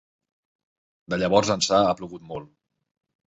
De llavors ençà ha plogut molt.